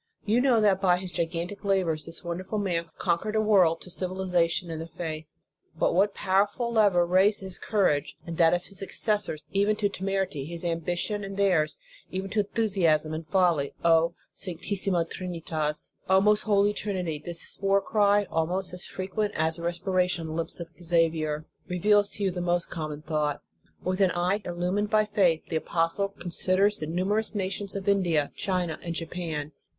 You know that, by his gigantic labors, this wonderful man conquered a world to civiliza tion and the faith. But what powerful lever raised his courage and that of his successors, even to temerity; his ambition and theirs, even to enthusiasm and folly? O sanctissima Trinitas! O most holy Trinity! This war cry, almost as frequent as respiration on the lips of Xavier, reveals to you the common thought. With an eye illumined by faith, the apostle considers the numerous nations of India, China, and Japan.